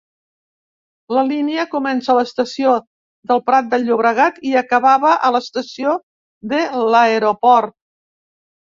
La línia comença a l'estació del Prat de Llobregat i acabava a l'estació de l'Aeroport.